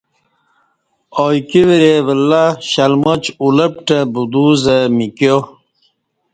ا ایکی ورے ولہّ شلماچ ا لپ ٹہ بدو زہ میکیا